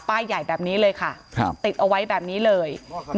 ใหญ่แบบนี้เลยค่ะติดเอาไว้แบบนี้เลย